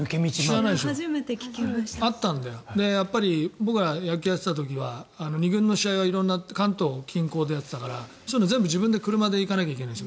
僕が野球をやってた時は２軍の試合は関東近郊でやってたからそういうのを全部車で行かなきゃいけないんです